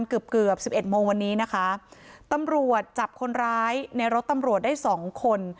เกือบเกือบสิบเอ็ดโมงวันนี้นะคะตำรวจจับคนร้ายในรถตำรวจได้สองคน